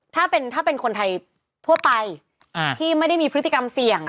ถ้าเป็นคนไทยทั่วไปที่ไม่ได้มีพฤติกรรมเสี่ยง